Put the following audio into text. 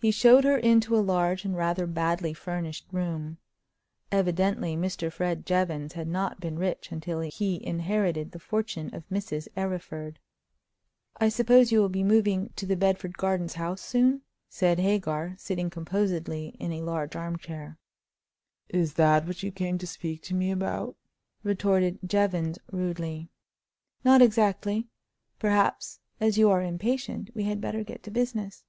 He showed her into a large and rather badly furnished room. Evidently Mr. Fred Jevons had not been rich until he inherited the fortune of Mrs. Arryford. "I suppose you will be moving to the Bedford Gardens house soon?" said Hagar, sitting composedly in a large armchair. "Is that what you came to speak to me about?" retorted Jevons, rudely. "Not exactly. Perhaps, as you are impatient, we had better get to business."